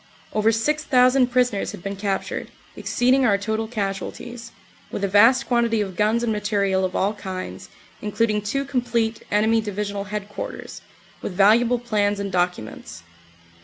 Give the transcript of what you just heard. Over six thousand prisoners had been captured, exceeding our total casualties, with a vast quan tity of guns and material of all kinds, including two complete enemy Divisional Headquarters, with valuable plans and documents.